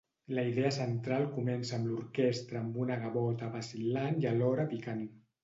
La idea central comença amb l'orquestra amb una gavota vacil·lant i alhora picant.